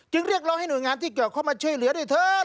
เรียกร้องให้หน่วยงานที่เกี่ยวเข้ามาช่วยเหลือด้วยเถอะ